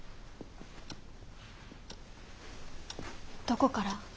どこから？